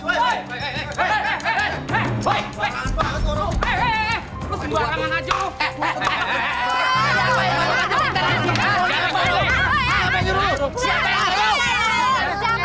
siapa yang mau ngajuk